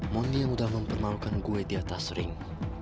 mondi yang udah mempermalukan gue di atas ring